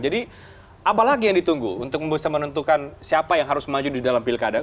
apalagi yang ditunggu untuk bisa menentukan siapa yang harus maju di dalam pilkada